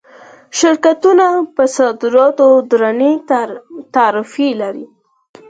شرکتونه پر صادراتو درنې تعرفې لري.